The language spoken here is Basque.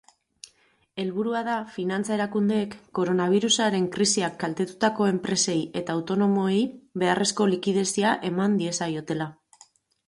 Helburua da finantza-erakundeek koronabirusaren krisiak kaltetutako enpresei eta autonomoei beharrezko likidezia eman diezaiotela.